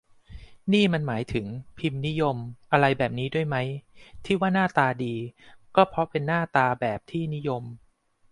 นี่มันหมายถึง "พิมพ์นิยม" อะไรแบบนี้ด้วยไหม ที่ว่า หน้าตา'ดี' ก็เพราะเป็นหน้าตา'แบบที่นิยม'